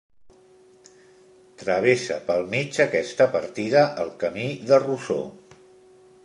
Travessa pel mig aquesta partida el Camí de Rossor.